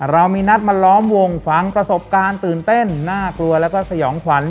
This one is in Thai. เรามีนัดมาล้อมวงฟังประสบการณ์ตื่นเต้นน่ากลัวแล้วก็สยองขวัญ